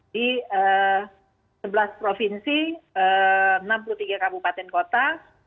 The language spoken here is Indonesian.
di sebelas provinsi enam puluh tiga kabupaten kota